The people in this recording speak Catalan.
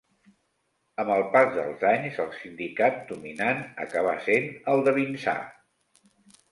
Amb el pas dels anys, el sindicat dominant acabà sent el de Vinçà.